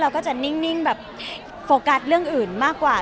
ก็จะนิ่งแบบโฟกัสเรื่องอื่นมากกว่า